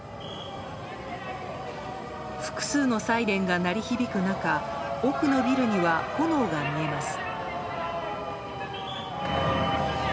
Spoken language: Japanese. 複数のサイレンが鳴り響く中奥のビルには炎が見えます。